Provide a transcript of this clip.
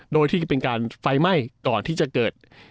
โดยที่จะเป็นการไฟไหม้ก่อนที่จะเกิด